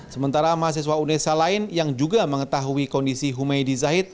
sementara mahasiswa unesa lain yang juga mengetahui kondisi humaydi zahid